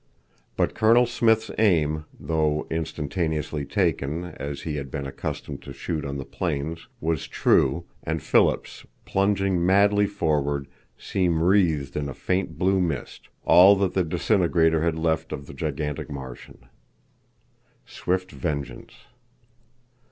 But Colonel Smith's aim, though instantaneously taken, as he had been accustomed to shoot on the plains, was true, and Phillips, plunging madly forward, seemed wreathed in a faint blue mist all that the disintegrator had left of the gigantic Martian. Swift Vengeance.